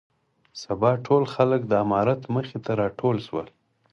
سبا ټول خلک د امارت مخې ته راټول شول.